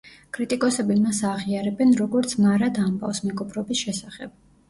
კრიტიკოსები მას აღიარებენ, როგორც მარად ამბავს მეგობრობის შესახებ.